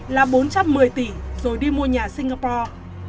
là bốn trăm một mươi tỷ rồi đi mua nhà singapore